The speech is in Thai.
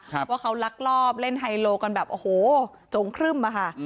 เพราะเขาลักลอบเล่นไฮโลกรรมการแบบโอ้โหจงครึ่มมาค่ะ